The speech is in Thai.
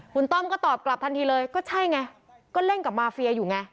คุณต้อมก็ตอบกลับทันทีเลยก็ใช่ไงก็เล่นกับมาเฟียอยู่ไง